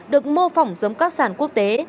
được mô phỏng giống các sản quốc tế